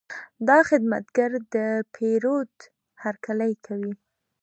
دا خدمتګر د پیرود هرکلی کوي.